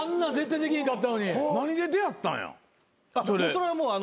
それはもう。